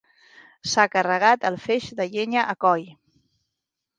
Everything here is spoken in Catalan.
S'ha carregat el feix de llenya a coll.